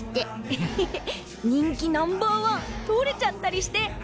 エッヘヘ人気ナンバーワン取れちゃったりして。